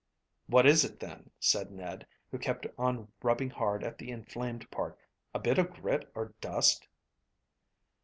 "What is it, then?" said Ned, who kept on rubbing hard at the inflamed part. "A bit of grit or dust?"